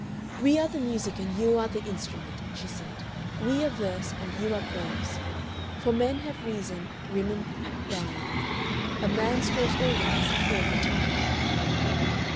"We are the music and you are the instrument," she said; "we are verse and you are prose. "For men have reason, women rhyme A man scores always, all the time."